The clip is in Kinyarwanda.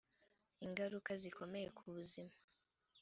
ingaruka zikomeye ku buzima